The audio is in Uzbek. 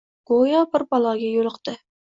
Go‘yo... bir baloga yo‘liqtsi!